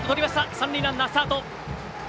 三塁ランナー、スタート。